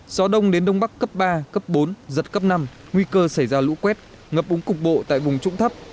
gió đông đến đông bắc cấp ba cấp bốn giật cấp năm nguy cơ xảy ra lũ quét ngập úng cục bộ tại vùng trũng thấp